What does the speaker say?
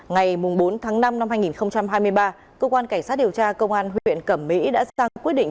ngày bốn tháng năm năm hai nghìn hai mươi ba cơ quan cảnh sát điều tra công an huyện cẩm mỹ đã sang quyết định